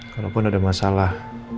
kalaupun ada masalah